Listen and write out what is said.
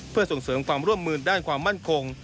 เพื่อส่งเสริมความร่วมมือด้านความมั่นคง